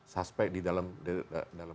suspek di dalam